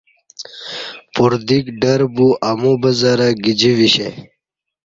پردیک ڈربو امو بزرہ گجی ویشے